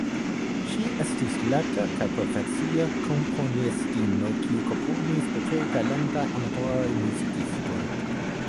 Ŝi estis lerta kaj profesia komponistino kiu komponis por tre talentaj amatoraj muzikistoj.